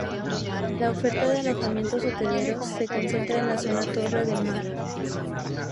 La oferta de alojamientos hoteleros se concentra en la zona de Torre del Mar.